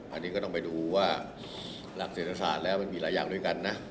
อันนี้ก็ต้องไปดูว่าหลักเศรษฐศาสตร์แล้วมันมีหลายอย่างด้วยกันนะ